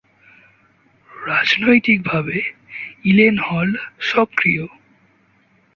রাজনৈতিকভাবে ইলেনহল সক্রিয়।